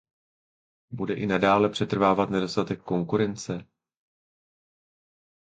Bude i nadále přetrvávat nedostatek konkurence?